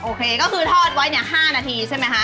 โอเคก็คือทอดไว้เนี่ย๕นาทีใช่ไหมคะ